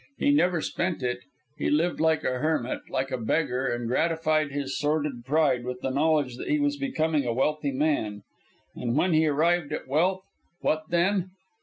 He never spent it, he lived like a hermit, like a beggar, and gratified his sordid pride with the knowledge that he was becoming a wealthy man. And when he arrived at wealth? What then!